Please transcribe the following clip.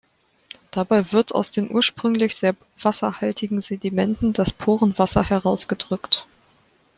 Dabei wird aus den ursprünglich sehr wasserhaltigen Sedimenten das Porenwasser herausgedrückt.